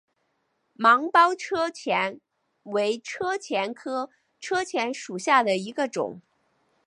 芒苞车前为车前科车前属下的一个种。